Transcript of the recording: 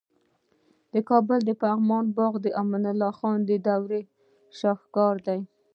د کابل د پغمان باغونه د امان الله خان د دورې شاهکار دي